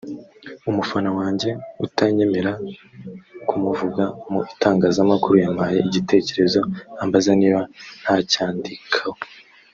“umufana wanjye utanyemerera kumuvuga mu itangazamakuru yampaye igitekerezo ambaza niba ntacyandikaho